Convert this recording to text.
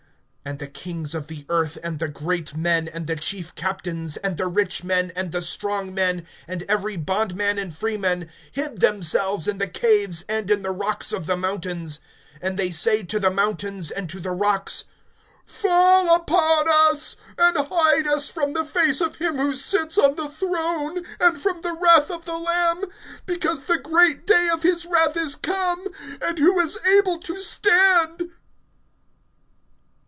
(15)And the kings of the earth, and the great men, and the chief captains, and the rich men, and the strong men, and every bondman and freeman, hid themselves in the caves and in the rocks of the mountains; (16)and they say to the mountains and to the rocks: Fall upon us, and hide us from the face of him who sits on the throne, and from the wrath of the Lamb; (17)because the great day of his wrath is come, and who is able to stand?